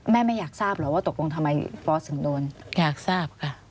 แม่ไม่อยากทราบเหรอว่าตกลงทำไมฟอสถึงโดนอยากทราบค่ะ